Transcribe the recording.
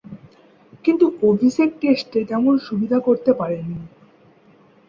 কিন্তু অভিষেক টেস্টে তেমন সুবিধা করতে পারেননি।